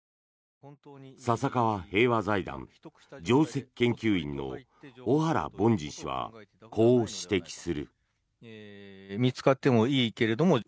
笹川平和財団上席研究員の小原凡司氏はこう指摘する。